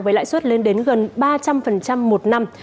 với lãi suất lên đến gần ba trăm linh một năm